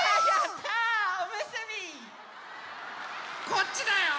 こっちだよ。